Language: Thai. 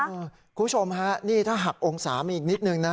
คุณผู้ชมฮะนี่ถ้าหักองศามีอีกนิดนึงนะ